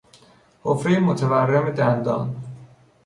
حفرهی متورم دندان